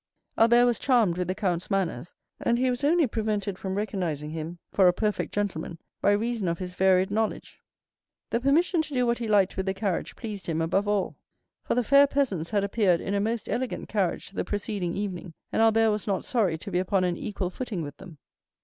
Albert was charmed with the count's manners, and he was only prevented from recognizing him for a perfect gentleman by reason of his varied knowledge. The permission to do what he liked with the carriage pleased him above all, for the fair peasants had appeared in a most elegant carriage the preceding evening, and Albert was not sorry to be upon an equal footing with them.